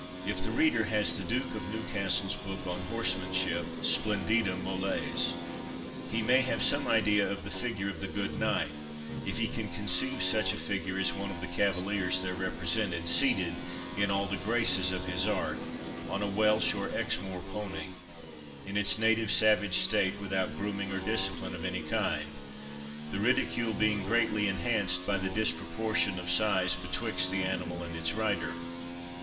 If the reader has the Duke of Newcastle's book on horsemanship, (splendida moles!) he may have some idea of the figure of the good knight, if he can conceive such a figure as one of the cavaliers there represented, seated, in all the graces of his art, on a Welsh or Exmoor pony, in its native savage state, without grooming or discipline of any kind; the ridicule being greatly enhanced by the disproportion of size betwixt the animal and its rider.